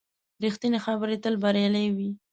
ریښتینې خبرې تل بریالۍ وي.